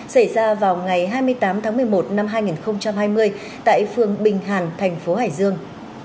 xảy ra vào ngày hai mươi tám tháng một mươi một năm hai nghìn hai mươi tại phường bình hàn thành phố hải dương